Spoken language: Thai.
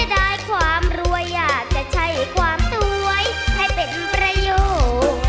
จะได้ความรวยหยากจะใช้ความต้วยให้เป็นประโยค